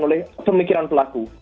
dan dihilangkan oleh pemikiran pelaku